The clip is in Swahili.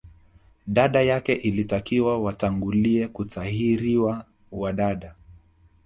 Dada yake ilitakiwa watangulie kutahiriwa wa dada